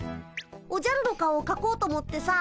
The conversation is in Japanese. おじゃるの顔をかこうと思ってさ。